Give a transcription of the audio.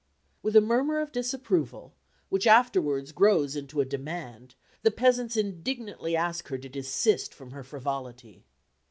With a murmur of disapproval, which afterwards grows into a demand, the peasants indignantly ask her to desist from her frivolity.